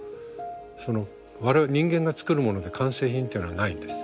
その我々人間が作るもので完成品っていうのはないんです。